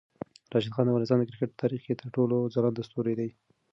راشد خان د افغانستان د کرکټ په تاریخ کې تر ټولو ځلاند ستوری دی.